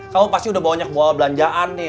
kamu pasti udah banyak bawa belanjaan nih